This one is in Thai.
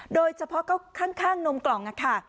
โดยเฉพาะก็ข้างนมกล่องค่ะ